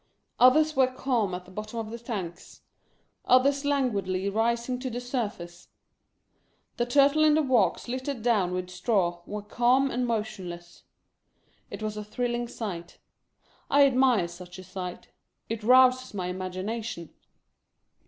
Others were calm at the bottom of the tank; others languidly rising to the surface. The Turtle in the walks littered down with straw were calm and motionless. It was a thrilling sight. I admire such a sight. It rouses my imagination.